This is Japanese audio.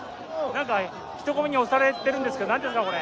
なんか、人混みに押されてるんですけど、なんですか、これ。